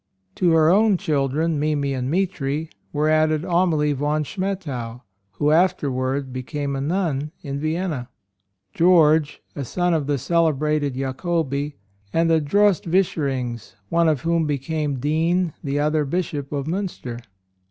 To her own children, Mimi and Mitri, were added Amalie von Schmettau, who afterward be came a nun in Vienna; George, a son of the celebrated Jakobi; and the Droste Vischerings, one of whom became dean the other bishop of Miinster.